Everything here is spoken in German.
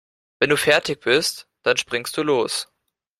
Wenn du fertig bist, dann springst du los.